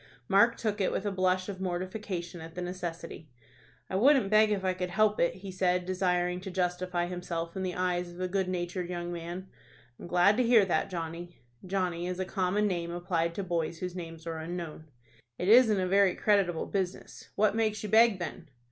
Mark took it with a blush of mortification at the necessity. "I wouldn't beg if I could help it," he said, desiring to justify himself in the eyes of the good natured young man. "I'm glad to hear that. Johnny." (Johnny is a common name applied to boys whose names are unknown.) "It isn't a very creditable business. What makes you beg, then?"